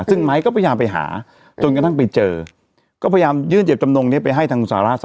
ซึ่งไม้ก็พยายามไปหาจนกระทั่งไปเจอก็พยายามยื่นเจ็บจำนงนี้ไปให้ทางสหรัฐ